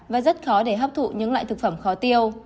và rất khó để hấp thụ những loại thực phẩm khó tiêu